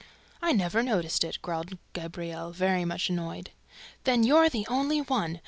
"I never noticed it," growled Gabriel, very much annoyed. "Then you're the only one!